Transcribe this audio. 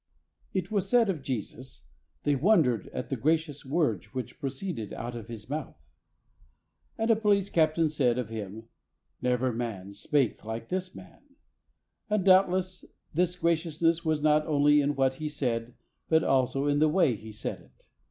It was said of Jesus, "They won dered at the gracious words which proceeded out of His mouth," and a police captain said of Him, "Never man spake like this Man ;" and doubtless this graciousness was not only in what He said, but also in the way He said it.